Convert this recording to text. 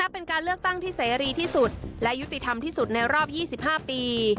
เป็นการเลือกตั้งที่เสรีที่สุดและยุติธรรมที่สุดในรอบ๒๕ปี